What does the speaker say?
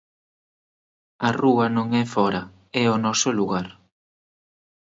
A rúa non é fóra, é o noso lugar.